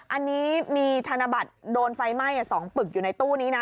อันนี้มีธนบัตรโดนไฟไหม้๒ปึกอยู่ในตู้นี้นะ